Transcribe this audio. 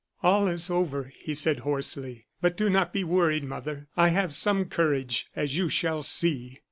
"All is over!" he said, hoarsely, "but do not be worried, mother; I have some courage, as you shall see."